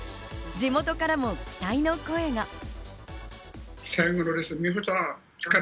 地元からも期待の声が。